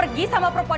lih ini apa